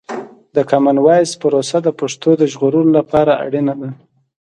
د کامن وایس پروسه د پښتو د ژغورلو لپاره اړینه ده.